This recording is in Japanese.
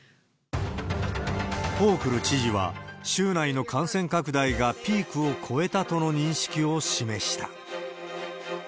ホークル知事は、州内の感染拡大がピークを越えたとの認識を示した。